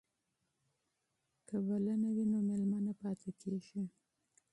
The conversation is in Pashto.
که بلنه وي نو مېلمه نه پاتې کیږي.